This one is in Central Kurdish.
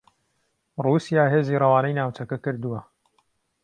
رووسیا هێزی رەوانەی ناوچەکە کردووە